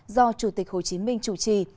do chủ tịch hồ chí minh chủ trì